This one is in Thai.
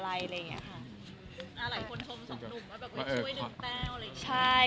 หลายคนชมสองหนุ่มว่าไม่ช่วยหนึ่งแป้ว